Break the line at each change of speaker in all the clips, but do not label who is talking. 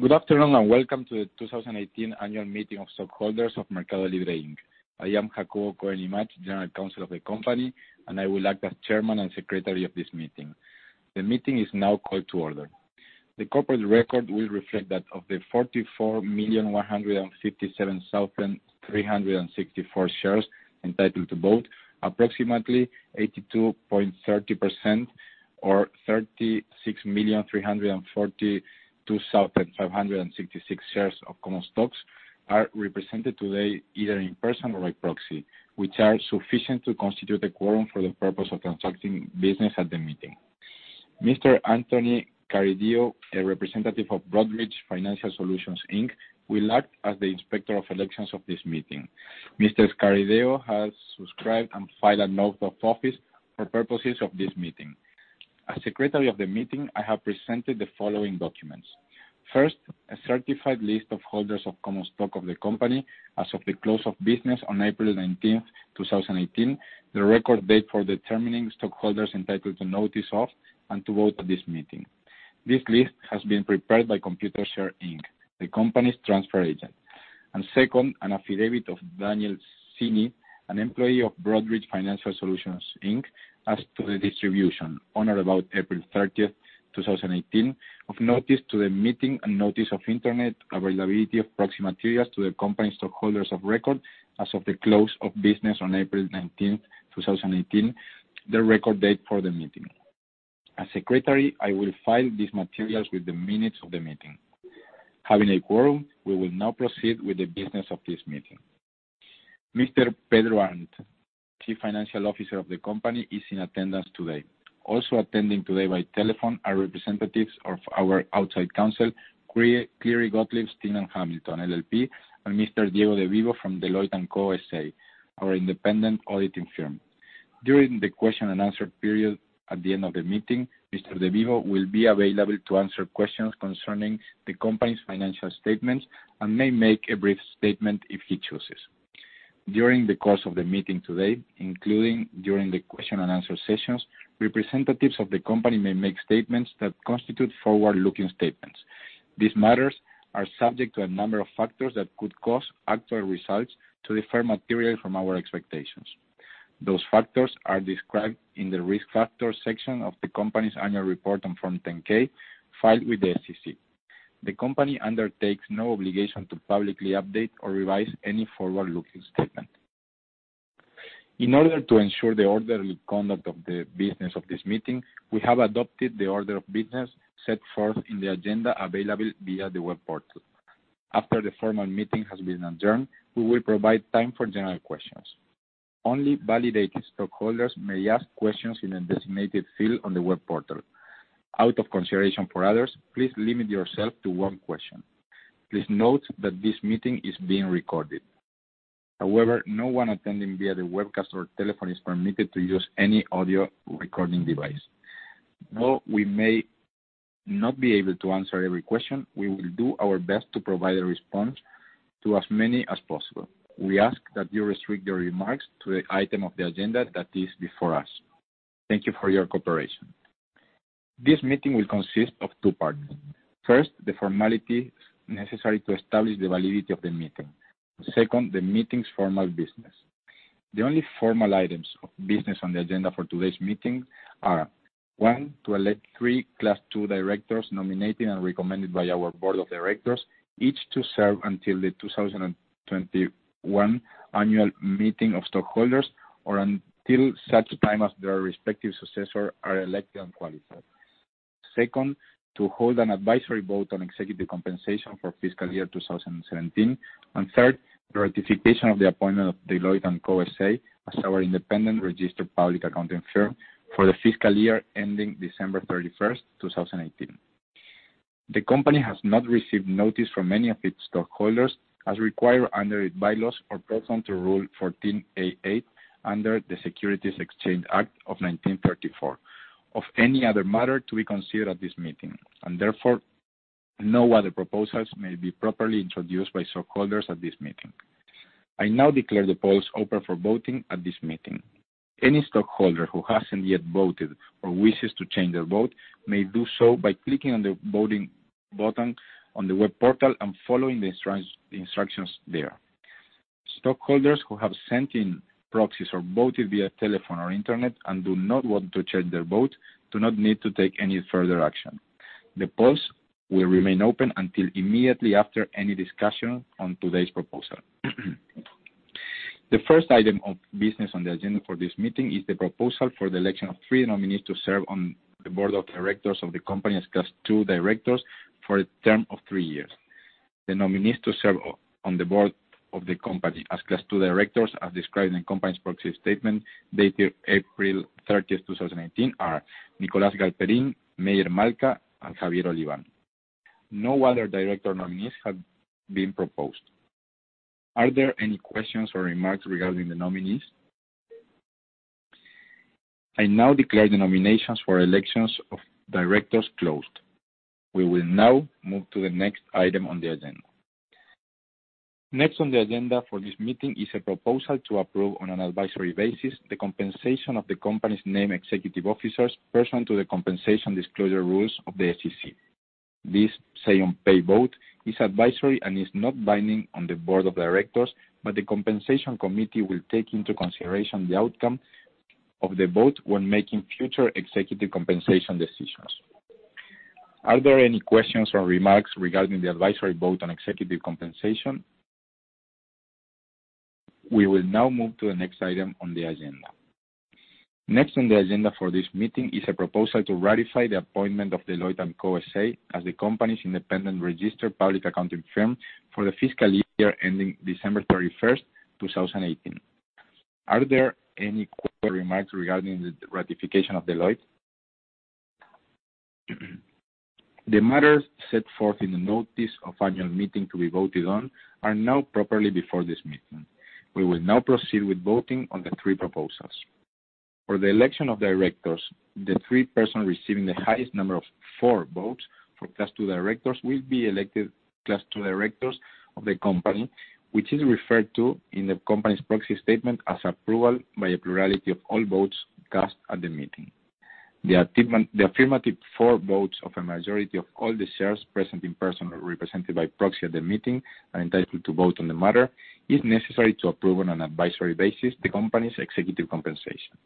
Good afternoon, welcome to the 2018 annual meeting of stockholders of MercadoLibre, Inc I am Jacobo Cohen Imach, General Counsel of the company, and I will act as Chairman and Secretary of this meeting. The meeting is now called to order. The corporate record will reflect that of the 44,157,364 shares entitled to vote, approximately 82.30%, or 36,342,566 shares of common stocks are represented today, either in person or by proxy, which are sufficient to constitute a quorum for the purpose of conducting business at the meeting. Mr. Anthony Carideo, a representative of Broadridge Financial Solutions, Inc, will act as the Inspector of Elections of this meeting. Mr. Carideo has subscribed and filed an oath of office for purposes of this meeting. As Secretary of the meeting, I have presented the following documents. First, a certified list of holders of common stock of the company as of the close of business on April 19th, 2018, the record date for determining stockholders entitled to notice of, and to vote at this meeting. This list has been prepared by Computershare Inc., the company's transfer agent. Second, an affidavit of Daniel Cini, an employee of Broadridge Financial Solutions, Inc., as to the distribution on or about April 30th, 2018, of notice to the meeting and notice of internet availability of proxy materials to the company stockholders of record as of the close of business on April 19th, 2018, the record date for the meeting. As Secretary, I will file these materials with the minutes of the meeting. Having a quorum, we will now proceed with the business of this meeting. Mr. Pedro Arnt, Chief Financial Officer of the company, is in attendance today. Also attending today by telephone are representatives of our outside counsel, Cleary Gottlieb Steen & Hamilton LLP, and Mr. Diego de Vivo from Deloitte & Co. S.A., our independent auditing firm. During the question and answer period at the end of the meeting, Mr. de Vivo will be available to answer questions concerning the company's financial statements and may make a brief statement if he chooses. During the course of the meeting today, including during the question and answer sessions, representatives of the company may make statements that constitute forward-looking statements. These matters are subject to a number of factors that could cause actual results to differ materially from our expectations. Those factors are described in the Risk Factors section of the company's annual report on Form 10-K filed with the SEC. The company undertakes no obligation to publicly update or revise any forward-looking statement. In order to ensure the orderly conduct of the business of this meeting, we have adopted the order of business set forth in the agenda available via the web portal. After the formal meeting has been adjourned, we will provide time for general questions. Only validated stockholders may ask questions in a designated field on the web portal. Out of consideration for others, please limit yourself to one question. Please note that this meeting is being recorded. However, no one attending via the webcast or telephone is permitted to use any audio recording device. Though we may not be able to answer every question, we will do our best to provide a response to as many as possible. We ask that you restrict your remarks to the item of the agenda that is before us. Thank you for your cooperation. This meeting will consist of two parts. First, the formalities necessary to establish the validity of the meeting. Second, the meeting's formal business. The only formal items of business on the agenda for today's meeting are, one, to elect three Class 2 directors nominated and recommended by our board of directors, each to serve until the 2021 annual meeting of stockholders, or until such time as their respective successors are elected and qualified. Second, to hold an advisory vote on executive compensation for fiscal year 2017. Third, the ratification of the appointment of Deloitte & Co. S.A. as our independent registered public accounting firm for the fiscal year ending December 31st, 2018. The company has not received notice from any of its stockholders, as required under its bylaws or pursuant to Rule 14a-8 under the Securities Exchange Act of 1934, of any other matter to be considered at this meeting. Therefore, no other proposals may be properly introduced by stockholders at this meeting. I now declare the polls open for voting at this meeting. Any stockholder who hasn't yet voted or wishes to change their vote may do so by clicking on the voting button on the web portal and following the instructions there. Stockholders who have sent in proxies or voted via telephone or internet and do not want to change their vote do not need to take any further action. The polls will remain open until immediately after any discussion on today's proposal. The first item of business on the agenda for this meeting is the proposal for the election of three nominees to serve on the board of directors of the company as Class 2 directors for a term of three years. The nominees to serve on the board of the company as Class 2 directors, as described in the company's proxy statement dated April 30, 2018, are Marcos Galperin, Meyer Malka, and Javier Olivan. No other director nominees have been proposed. Are there any questions or remarks regarding the nominees? I now declare the nominations for elections of directors closed. We will now move to the next item on the agenda. Next on the agenda for this meeting is a proposal to approve, on an advisory basis, the compensation of the company's named executive officers pursuant to the compensation disclosure rules of the SEC. This say-on-pay vote is advisory and is not binding on the board of directors, but the Compensation Committee will take into consideration the outcome of the vote when making future executive compensation decisions. Are there any questions or remarks regarding the advisory vote on executive compensation? We will now move to the next item on the agenda. Next on the agenda for this meeting is a proposal to ratify the appointment of Deloitte & Co. S.A. as the company's independent registered public accounting firm for the fiscal year ending December 31st, 2018. Are there any questions or remarks regarding the ratification of Deloitte? The matters set forth in the notice of annual meeting to be voted on are now properly before this meeting. We will now proceed with voting on the three proposals. For the election of directors, the three persons receiving the highest number of "for" votes for Class II directors will be elected Class II directors of the company, which is referred to in the company's proxy statement as approval by a plurality of all votes cast at the meeting. The affirmative "for" votes of a majority of all the shares present in person or represented by proxy at the meeting and entitled to vote on the matter is necessary to approve, on an advisory basis, the company's executive compensation.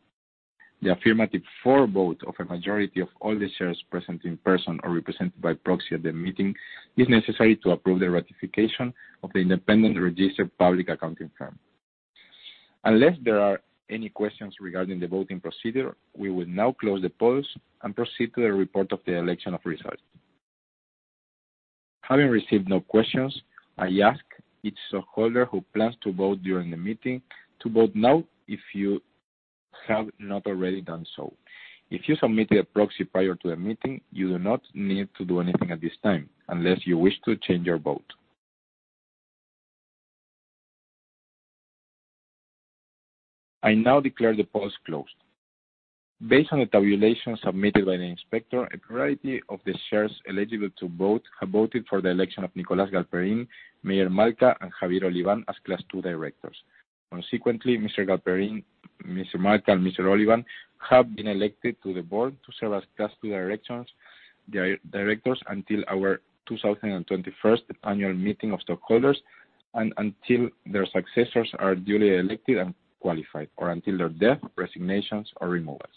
The affirmative "for" vote of a majority of all the shares present in person or represented by proxy at the meeting is necessary to approve the ratification of the independent registered public accounting firm. Unless there are any questions regarding the voting procedure, we will now close the polls and proceed to the report of the election of results. Having received no questions, I ask each stockholder who plans to vote during the meeting to vote now if you have not already done so. If you submitted a proxy prior to the meeting, you do not need to do anything at this time unless you wish to change your vote. I now declare the polls closed. Based on the tabulation submitted by the inspector, a majority of the shares eligible to vote have voted for the election of Marcos Galperin, Meyer Malka, and Javier Oliván as Class II directors. Consequently, Mr. Galperin, Mr. Malka, and Mr. Oliván have been elected to the board to serve as Class II directors until our 2021st annual meeting of stockholders and until their successors are duly elected and qualified, or until their death, resignations, or removals.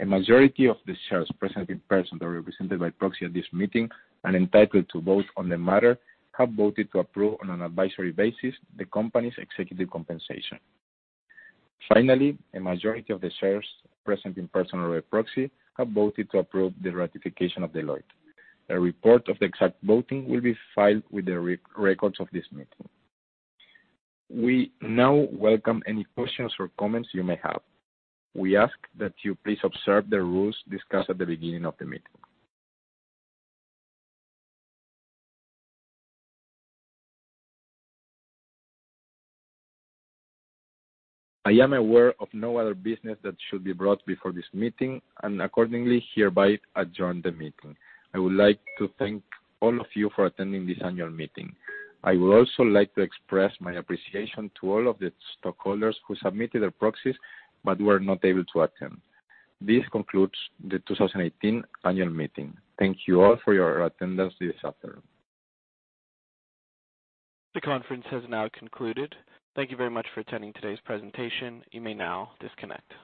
A majority of the shares present in person or represented by proxy at this meeting and entitled to vote on the matter have voted to approve, on an advisory basis, the company's executive compensation. Finally, a majority of the shares present in person or a proxy have voted to approve the ratification of Deloitte. A report of the exact voting will be filed with the records of this meeting. We now welcome any questions or comments you may have. We ask that you please observe the rules discussed at the beginning of the meeting. I am aware of no other business that should be brought before this meeting, and accordingly hereby adjourn the meeting. I would like to thank all of you for attending this annual meeting. I would also like to express my appreciation to all of the stockholders who submitted their proxies but were not able to attend. This concludes the 2018 annual meeting. Thank you all for your attendance this afternoon.
The conference has now concluded. Thank you very much for attending today's presentation. You may now disconnect.